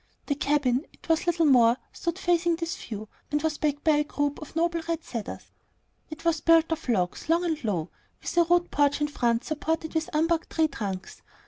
The cabin it was little more stood facing this view, and was backed by a group of noble red cedars. It was built of logs, long and low, with a rude porch in front supported on unbarked tree trunks.